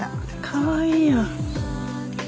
かわいいやん。